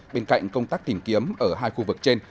bên cạnh công tác tìm kiếm ở hai khu vực trên